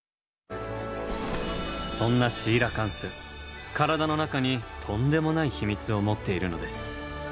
そんなシーラカンス体の中にとんでもない秘密を持っているのです。